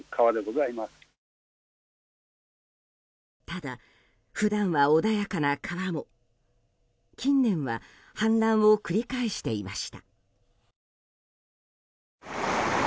ただ、普段は穏やかな川も近年は氾濫を繰り返していました。